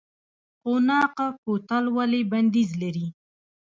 قوناق کوتل ولې بندیز لري؟